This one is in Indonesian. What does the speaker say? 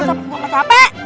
gue gak capek